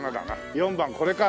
４番これか。